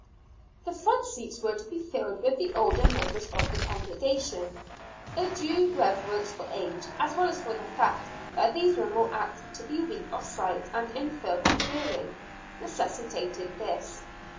The front seats were to be filled with the older members of the congregation, a due reverence for age, as well as for the fact that these were more apt to be weak of sight and infirm of hearing, necessitated this.